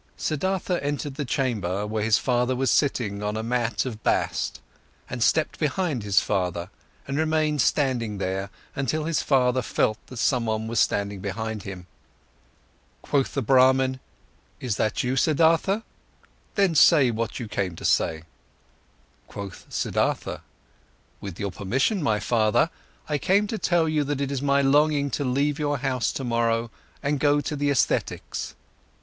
Siddhartha entered the chamber, where his father was sitting on a mat of bast, and stepped behind his father and remained standing there, until his father felt that someone was standing behind him. Quoth the Brahman: "Is that you, Siddhartha? Then say what you came to say." Quoth Siddhartha: "With your permission, my father. I came to tell you that it is my longing to leave your house tomorrow and go to the ascetics.